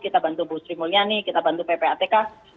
kita bantu bu sri mulyani kita bantu ppatk